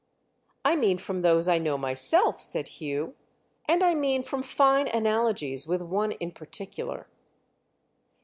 "I mean from those I know myself," said Hugh; "and I mean from fine analogies with one in particular."